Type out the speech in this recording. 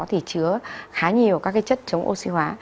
thì chứa khá nhiều các cái chất chống oxy hóa